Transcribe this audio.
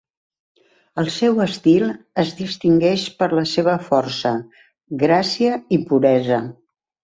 El seu estil es distingeix per la seva força, gràcia i puresa.